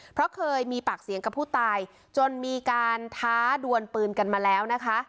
เพราะเคยมีปากเสียงกับผู้ตายจนมีการท้าดวนปืนกันมาแล้วนะคะ